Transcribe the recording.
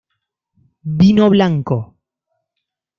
Vino blanco.